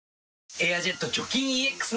「エアジェット除菌ＥＸ」